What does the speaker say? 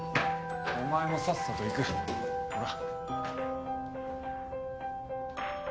お前もさっさと行くほら。